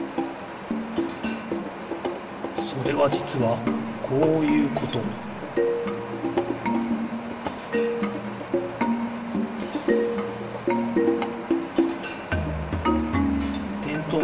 それはじつはこういうことてんとう